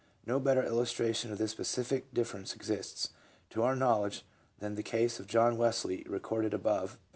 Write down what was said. No better illustration of this specific differ ence exists, to our knowledge, than the case of John Wesley, recorded above, pp.